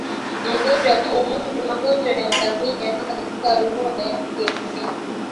Magonjwa ya ngamia katika lugha za kienyeji